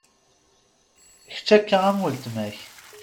Kečč akka am uttma-k.